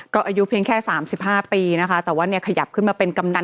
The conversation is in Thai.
ก็อายุเพียงแค่๓๕ปีนะคะแต่ว่าเนี่ยขยับขึ้นมาเป็นกำนัน